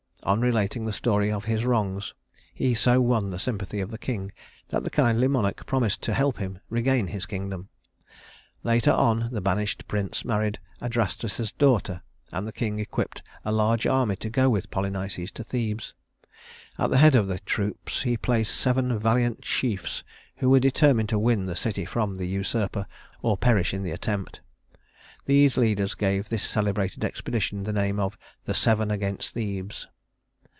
On relating the story of his wrongs, he so won the sympathy of the king that the kindly monarch promised to help him regain his kingdom. Later on the banished prince married Adrastus's daughter, and the king equipped a large army to go with Polynices to Thebes. At the head of the troops he placed seven valiant chiefs who were determined to win the city from the usurper, or perish in the attempt. These leaders gave this celebrated expedition the name of "The Seven against Thebes."